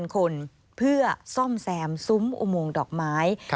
คนเพื่อซ่อมแซมซุ้มอุโมงดอกไม้